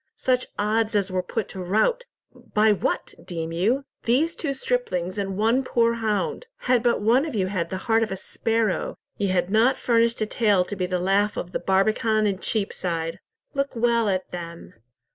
such odds as were put to rout—by what, deem you? These two striplings and one poor hound. Had but one of you had the heart of a sparrow, ye had not furnished a tale to be the laugh of the Barbican and Cheapside. Look well at them.